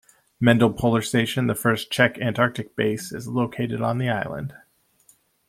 Mendel Polar Station, the first Czech Antarctic Base, is located on the island.